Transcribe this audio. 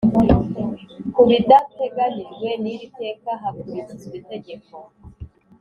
Ku bidateganyijwe n iri teka hakurikizwa itegeko